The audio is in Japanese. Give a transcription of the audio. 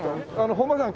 本間さん